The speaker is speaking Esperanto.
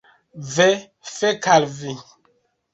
Ve, fek al vi!